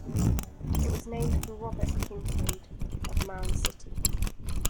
It was named for Robert Kincaid, of Mound City.